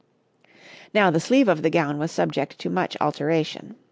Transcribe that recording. Now the sleeve of the gown was subject to much alteration.